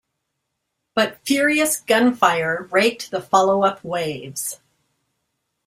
But furious gunfire raked the follow-up waves.